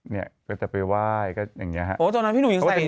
นี่ก็จะไปไหว้